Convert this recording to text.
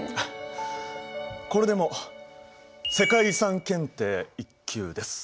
これでも世界遺産検定１級です。